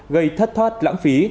gây thất thoát lãng phí